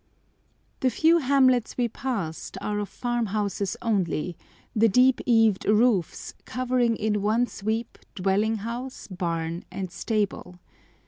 The few hamlets we passed are of farm houses only, the deep eaved roofs covering in one sweep dwelling house, barn, and stable.